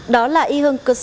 đó là tình hình của tâm